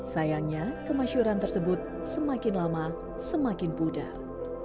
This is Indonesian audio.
sayangnya kemasyuran tersebut semakin lama semakin pudar